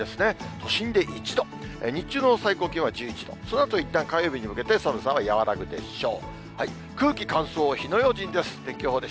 都心で１度、日中の最高気温は１１度、そのあといったん火曜日に向けて寒さは和らぐでしょう。